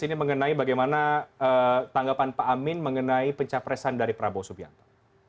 ini mengenai bagaimana tanggapan pak amin mengenai pencapresan dari prabowo subianto